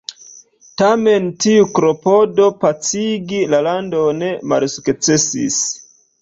Tamen tiu klopodo pacigi la landon malsukcesis.